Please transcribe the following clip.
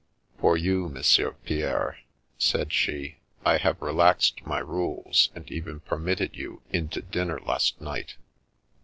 " For you, Monsieur Pierre," said she, " I have re laxed my rules, and even permitted you in to dinner last night.